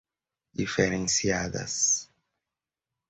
diferenciadas